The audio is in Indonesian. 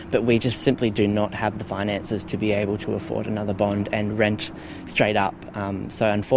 tapi kita tidak memiliki uang untuk mencari opsi perumahan dan mencari uang